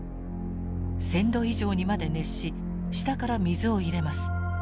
１，０００℃以上にまで熱し下から水を入れます。